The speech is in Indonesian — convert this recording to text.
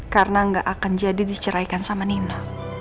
karena gak akan jadi diceraikan sama nino